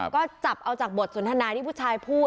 ก็จับเอาจากบทสนทนาที่ผู้ชายพูด